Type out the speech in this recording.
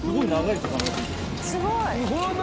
すごい。何！？